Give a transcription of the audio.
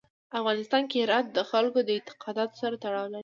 په افغانستان کې هرات د خلکو د اعتقاداتو سره تړاو لري.